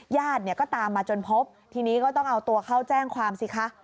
ญาติเนี่ยก็ตามมาจนพบทีนี้ก็ต้องเอาตัวเข้าแจ้งความสิคะ